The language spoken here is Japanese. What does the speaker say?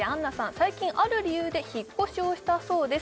最近ある理由で引っ越しをしたそうです